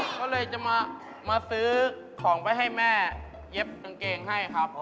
ก็เลยจะมาซื้อของไปให้แม่เย็บกางเกงให้ครับ